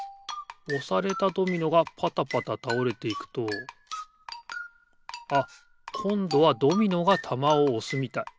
おされたドミノがぱたぱたたおれていくとあっこんどはドミノがたまをおすみたい。